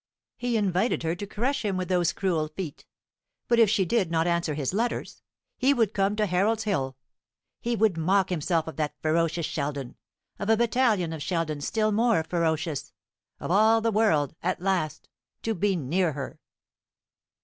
He invited her to crush him with those cruel feet. But if she did not answer his letters, he would come to Harold's Hill. He would mock himself of that ferocious Sheldon of a battalion of Sheldons still more ferocious of all the world, at last to be near her."